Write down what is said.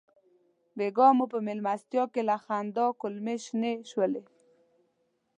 بېګا مو په مېلمستیا کې له خندا کولمې شنې شولې.